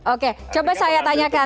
oke coba saya tanyakan